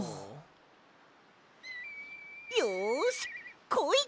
よしこい！